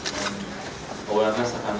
kita selalu berpapukan pada partai itu